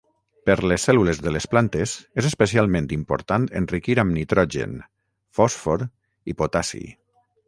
Per les cèl·lules de les plantes és especialment important enriquir amb nitrogen, fòsfor i potassi.